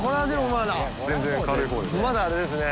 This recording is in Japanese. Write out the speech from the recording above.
淵▲蕁まだあれですね。